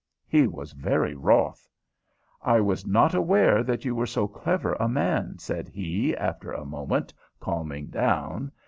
He was very wroth. "I was not aware that you were so clever a man," said he, after a moment, calming down.